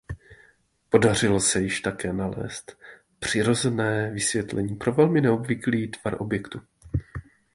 Podařilo se již také nalézt přirozené vysvětlení pro velmi neobvyklý tvar objektu.